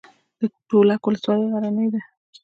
د تولک ولسوالۍ غرنۍ ده